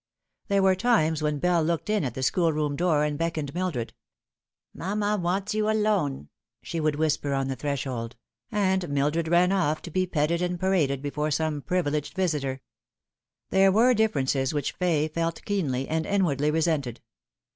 There were times when Bell looked in at the schoolroom door and beckoned Mildred. " Mamma wants you alone," she would A Superior Person. 19 whisper on the threshold ; and Mildred ran off to be petted and paraded before some privileged visitor. There were differences which Fay felt keenly, and inwardly resented.